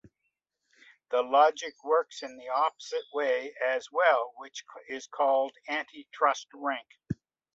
The logic works in the opposite way as well, which is called Anti-Trust Rank.